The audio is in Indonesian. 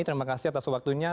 terima kasih atas waktunya